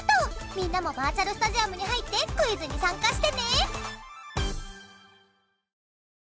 みんなもバーチャルスタジアムに入ってクイズに参加してね！